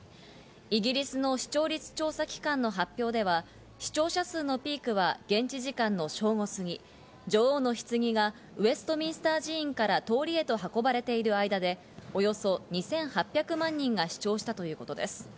イギリスの視聴率調査機関の発表では、視聴者数のピークは現地時間の正午過ぎ、女王のひつぎがウェストミンスター寺院から通りへと運ばれている間でおよそ２８００万人が視聴したということです。